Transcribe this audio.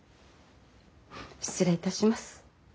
失礼いたします。